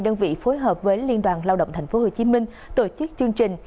đơn vị phối hợp với liên đoàn lao động tp hcm tổ chức chương trình